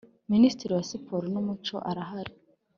Minisitiri wa Siporo n ‘Umuco arahari.